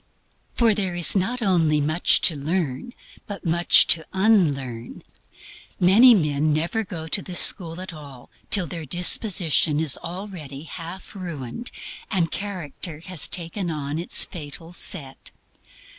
For there is not only much to learn, but MUCH TO UNLEARN. Many men never go to this school at all till their disposition is already half ruined and character has taken on its fatal set.